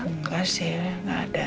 enggak sih enggak ada